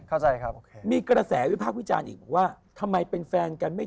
เข้าใจครับโอเคมีกระแสวิพากษ์วิจารณ์อีกบอกว่าทำไมเป็นแฟนกันไม่